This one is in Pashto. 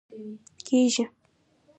کیږي